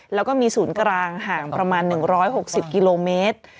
แล้วก็มีศูนย์กลางห่างประมาณ๑๖๐กิโลเมตร